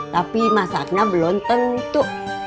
tapi masaknya belum tentu